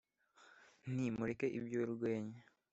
Nti : mureke iby'urwenya,